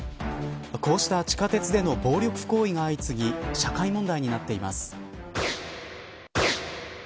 こうした地下鉄での暴力行為が相次ぎ社会問題になっています。